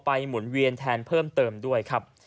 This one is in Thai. หมุนเวียนแทนเพิ่มเติมด้วยครับ